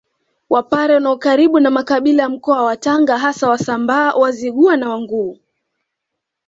Wapare wana ukaribu na makabila ya Mkoa wa Tanga hasa Wasambaa Wazigua na Wanguu